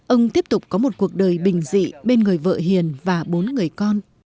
ông tiếp tục có một cuộc đời bình dị bên người vợ hiền và bốn người con